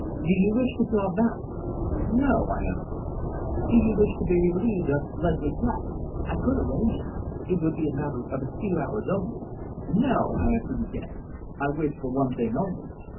Do you wish to draw back?" "No!" I answered. "Do you wish to be relieved of Leslie Guest? I could arrange it; it would be a matter of a few hours only." "No!" I answered again. "I wish for one thing only!"